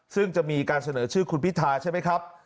ซึ่งจะมีการเสนอชื่อคุณพิธาใช่ไหมครับ